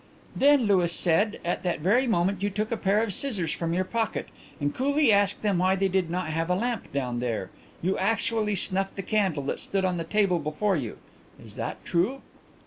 Then, Louis said, at that very moment you took a pair of scissors from your pocket, and coolly asking them why they did not have a lamp down there, you actually snuffed the candle that stood on the table before you. Is that true?"